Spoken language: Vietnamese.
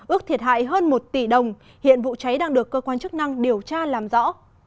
ước thiệt hại hơn một tỷ đồng hiện vụ cháy đang được cơ quan chức năng điều tra làm rõ